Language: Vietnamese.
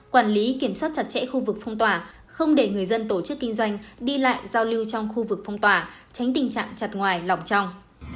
quản lý kiểm soát chặt chẽ khu vực phong tỏa không để người dân tổ chức kinh doanh đi lại giao lưu trong khu vực phong tỏa tránh tình trạng chặt ngoài lỏng trong